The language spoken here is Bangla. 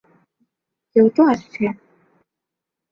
কেউ তো আসছে?